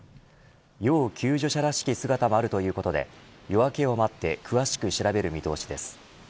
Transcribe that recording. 要救助者らしき姿もあるということで夜明けを待って詳しく調べる見通しです。